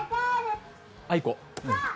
あいこ。